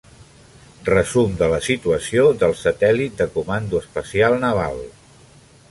Resum de la situació del Satèl·lit de comando espacial naval.